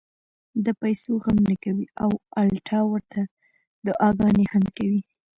د پېسو غم نۀ کوي او الټا ورته دعاګانې هم کوي -